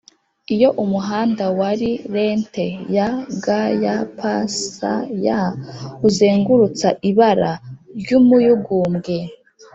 iyo umuhanda wari lente ya gypsy, uzengurutsa ibara ry'umuyugubwe,